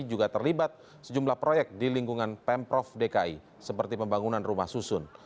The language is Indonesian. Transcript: juga terlibat sejumlah proyek di lingkungan pemprov dki seperti pembangunan rumah susun